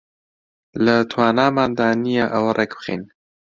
لە تواناماندا نییە ئەوە ڕێک بخەین